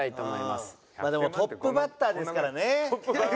でもトップバッターですからね。